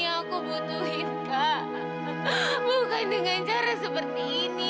aku nggak mau